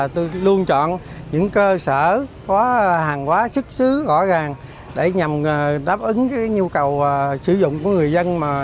tôi luôn chọn những cơ sở có hàng hóa xuất xứ rõ ràng để nhằm đáp ứng nhu cầu sử dụng của người dân